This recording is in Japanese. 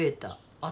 あっ！